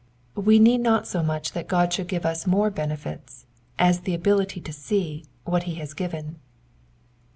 We need not so much that God should give us more benefits, as the ability to see what he has given.